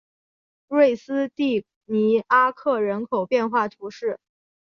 瑞斯蒂尼阿克人口变化图示